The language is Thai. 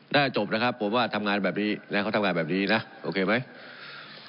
น่าจะจบนะครับผมว่าทำงานแบบนี้นะเขาทำงานแบบนี้นะโอเคไหม